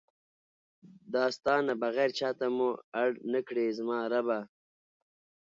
دا ستا نه بغیر چاته مو اړ نکړې زما ربه!